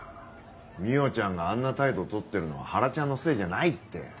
未央ちゃんがあんな態度をとってるのはハラちゃんのせいじゃないって。